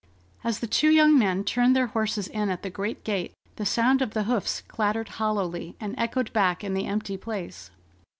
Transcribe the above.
As the two young men turned their horses in at the great gate, the sound of the hoofs clattered hollowly and echoed back in the empty place.